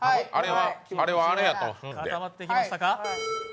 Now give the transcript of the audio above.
あれはあれやと。